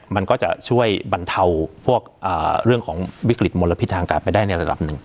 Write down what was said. มันก็จะช่วยบรรเทาพวกเรื่องของวิกฤตมลพิษทางการไปได้ในระดับหนึ่ง